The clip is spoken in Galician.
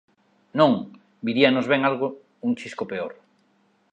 Non, viríanos ben algo un chisco peor.